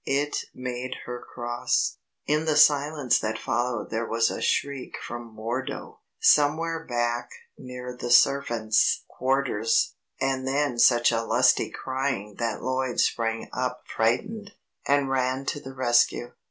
It made her cross. In the silence that followed there was a shriek from Wardo, somewhere back near the servants' quarters, and then such a lusty crying that Lloyd sprang up frightened, and ran to the rescue.